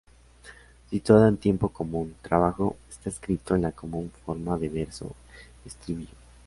Situado en tiempo común, "trabajo" está escrito en la común forma de verso-estribillo.